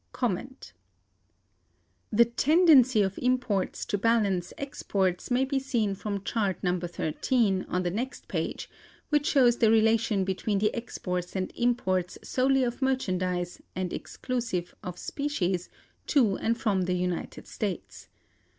The tendency of imports to balance exports may be seen from Chart No. XIII, on the next page, which shows the relation between the exports and imports solely of merchandise, and exclusive of specie, to and from the United States.